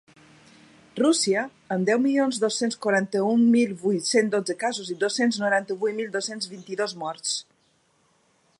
Rússia, amb deu milions dos-cents quaranta-un mil vuit-cents dotze casos i dos-cents noranta-vuit mil dos-cents vint-i-dos morts.